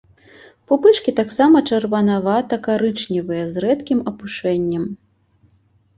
Пупышкі таксама чырванавата-карычневыя, з рэдкім апушэннем.